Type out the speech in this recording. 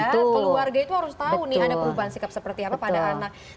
ya keluarga itu harus tahu nih ada perubahan sikap seperti apa pada anak